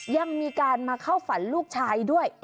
ยังมีการมาเข้าฝันลูกชายด้วย